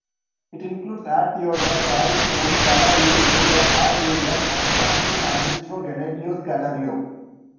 It includes "Ad Theodorum Carystenum", "Scholario," "Eidem", "Ad eundem" and "Sancto magistro Gennadio Scholario".